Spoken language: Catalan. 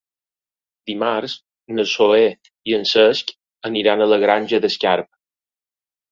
Dimarts na Zoè i en Cesc aniran a la Granja d'Escarp.